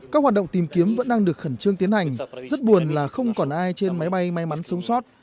các hoạt động tìm kiếm vẫn đang được khẩn trương tiến hành rất buồn là không còn ai trên máy bay may mắn sống sót